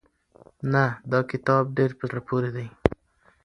نه دا کتاب ډېر په زړه پورې دی.